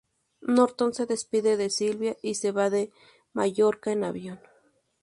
Norton se despide de Silvia y se va de Mallorca en avión.